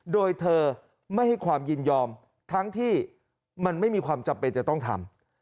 โดยเธอไม่ให้ความยินยอมทั้งที่มันไม่มีความจำเป็นจะต้องทำ